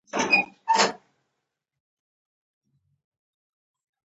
د افغانستان طبیعت له کابل څخه جوړ شوی دی.